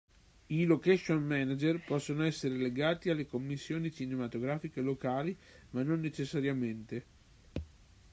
I "location manager" possono essere legati alle commissioni cinematografiche locali, ma non necessariamente.